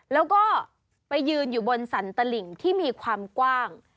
แล้วก็ไปยืนอยู่บนสรรตลิ่งที่มีความกว้าง